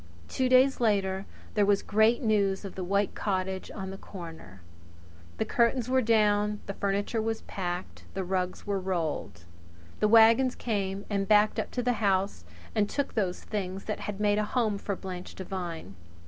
Two days later there was great news of the white cottage on the corner. The curtains were down; the furniture was packed; the rugs were rolled. The wagons came and backed up to the house and took those things that had made a home for Blanche Devine.